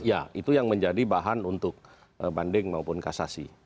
ya itu yang menjadi bahan untuk banding maupun kasasi